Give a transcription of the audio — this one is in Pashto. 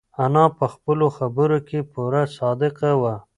انا په خپلو خبرو کې پوره صادقه وه.